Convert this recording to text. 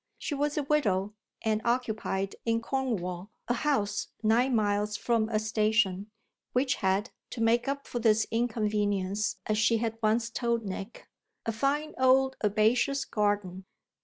She was a widow and occupied in Cornwall a house nine miles from a station, which had, to make up for this inconvenience as she had once told Nick, a fine old herbaceous garden.